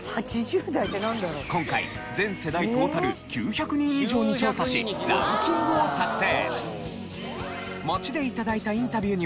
今回全世代トータル９００人以上に調査しランキングを作成。